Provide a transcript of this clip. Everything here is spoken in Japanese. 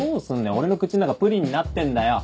俺の口の中プリンになってんだよ！